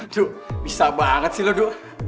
du bisa banget sih lo du